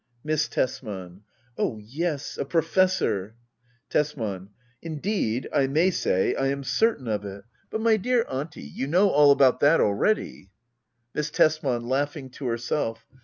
Miss Tbsman. Oh yes, a professor Tbsman. Indeed, I may say I am certain of it. But my dear Auntie — ^you know all about that already ! Miss Tbsman. [Laughing to herself.